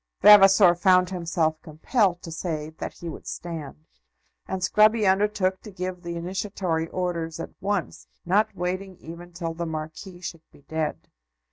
Vavasor found himself compelled to say that he would stand; and Scruby undertook to give the initiatory orders at once, not waiting even till the Marquis should be dead.